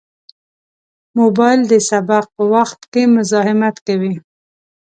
موبایل د سبق په وخت کې مزاحمت کوي.